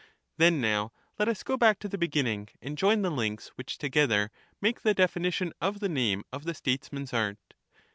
Then nowHet us go back to the beginning, and join the links, which together make the definition of the name of the Statesman's art.